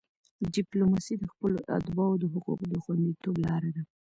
ډیپلوماسي د خپلو اتباعو د حقوقو د خوندیتوب لار ده.